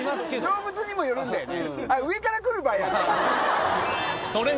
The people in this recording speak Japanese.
動物にもよるんだよね。